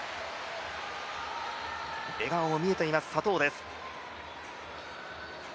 笑顔も見えています、左トウです。